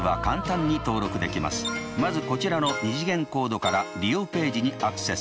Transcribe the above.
まずこちらの２次元コードから利用ページにアクセス。